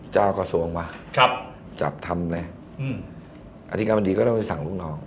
เจ้ากระทรวงมาครับจับทำเลยอธิการบดีก็ต้องไปสั่งลูกน้อง